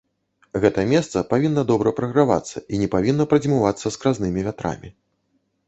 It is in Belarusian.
Гэта месца павінна добра прагравацца і не павінна прадзьмувацца скразнымі вятрамі.